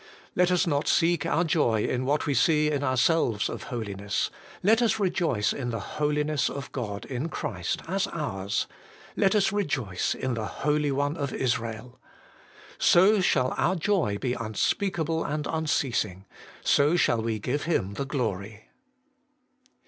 Let us not seek our joy in what we see in ourselves of holiness : let us rejoice in the Holiness of God in Christ as ours ; let us rejoice in the Holy One of Israel. So shall our joy be unspeakable and unceasing ; so shall we give Him the glory.